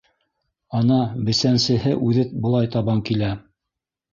Ана, бесәнсеһе үҙе былай табан килә.